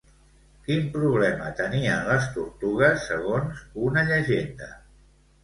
Quin problema tenien les tortugues segons una llegenda?